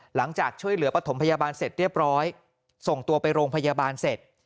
หลังจากช่วยเหลือปฐมพยาบาลเสร็จเรียบร้อยส่งตัวไปโรงพยาบาลเสร็จ